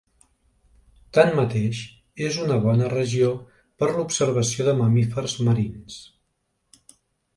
Tanmateix, és una bona regió per a l'observació de mamífers marins.